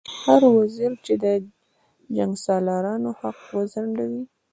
هر وزیر چې د جنګسالارانو حق وځنډوي.